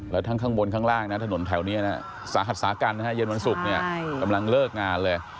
แล้วทั้งข้างบนข้างล่างถนนแถวนี้สาหัดสากันเย็นวันศุกร์กำลังเลิกงานเลย